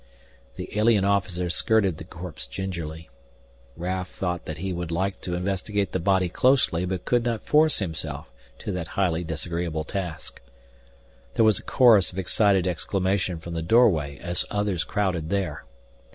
The alien officer skirted the corpse gingerly. Raf though that he would like to investigate the body closely but could not force himself to that highly disagreeable task. There was a chorus of excited exclamation from the doorway as others crowded there.